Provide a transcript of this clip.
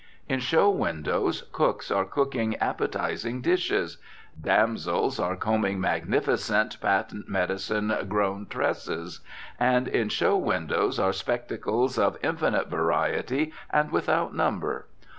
In show windows cooks are cooking appetising dishes; damsels are combing magnificent, patent medicine grown tresses; and in show windows are spectacles of infinite variety and without number.